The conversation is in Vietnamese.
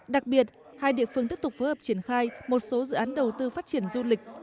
đặc biệt hai địa phương tiếp tục phối hợp triển khai một số dự án đầu tư phát triển du lịch